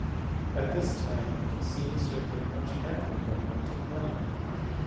At this time he seems to have been much hampered by want of money.